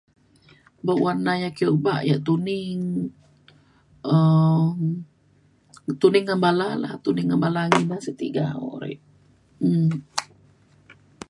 buk warna ya' ake obak ya' tuning um tuning ngan bala la, tuning ngan bala da sik tega o'rek um